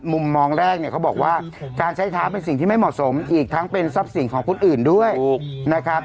มุมมองแรกเนี่ยเขาบอกว่าการใช้เท้าเป็นสิ่งที่ไม่เหมาะสมอีกทั้งเป็นทรัพย์สินของคนอื่นด้วยนะครับ